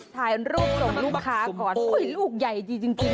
โอ้ถ่ายลูกส่งลูกค้าก่อนโอ้ยลูกใยจริงจริง